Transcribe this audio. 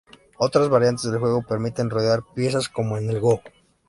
Otras variantes del juego permiten rodear piezas, como en el Go.